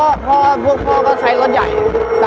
แล้วก็ต่อไปก็จะมาเป็นรถใหญ่เนี่ยแหละ